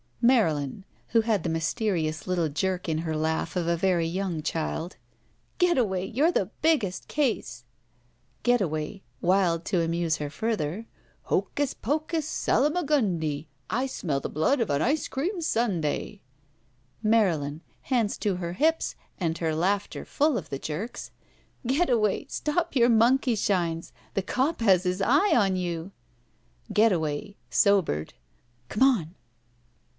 Marylin (who had the mysterious little jerk in her laugh of a very young child) :'* Getaway, you're the biggest case!" Getaway {wild to amuse her further): Hocus pocus, Salamagundi ! I smell the blood of an ice cream sundae!" Marylin (hands to her hips and her laughter full of the jerks): ''Getaway, stop your mon keyshines. The cop has his eye on you!" Getaway (sobered): *'C'm on!"